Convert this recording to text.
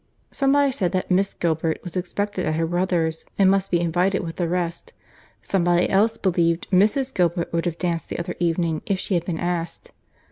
Somebody said that Miss Gilbert was expected at her brother's, and must be invited with the rest. Somebody else believed Mrs. Gilbert would have danced the other evening, if she had been asked.